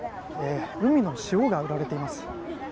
海の塩が売られています。